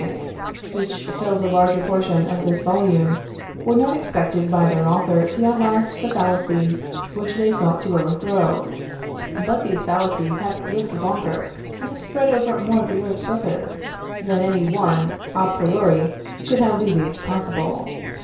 ] The Sophismes Economiques, which fill the larger portion of this volume, were not expected by their author to outlast the fallacies which they sought to overthrow. But these fallacies have lived longer and have spread over more of the earth's surface than any one a priori could have believed possible.